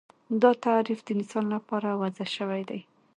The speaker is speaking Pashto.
دا تعریف د انسان لپاره وضع شوی دی